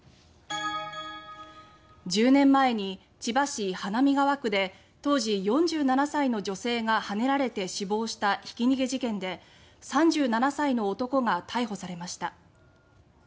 １０年前に千葉市花見川区で当時４７歳の女性がはねられて死亡したひき逃げ事件で３７歳の男が逮捕されました。